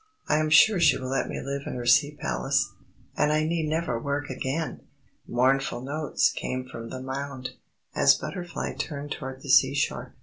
I am sure she will let me live in her Sea Palace; and I need never work again!" Mournful notes came from the mound, as Butterfly turned toward the seashore.